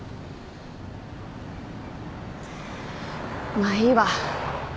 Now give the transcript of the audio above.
まあいいわ。